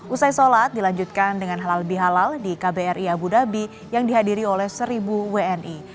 usai sholat dilanjutkan dengan halal bihalal di kbri abu dhabi yang dihadiri oleh seribu wni